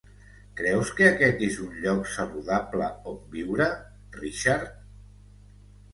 Creus que aquest és un lloc saludable on viure, Richard?